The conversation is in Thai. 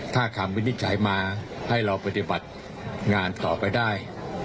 ถ้าคำวินิจฉัยมาให้เราปฏิบัติงานต่อไปได้